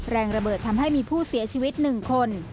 แรงระเบิดทำให้มีผู้เสียชีวิต๑คน